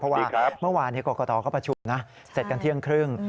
เพราะว่าเมื่อวานกรกตก็ประชุมนะเสร็จกันเที่ยงครึ่ง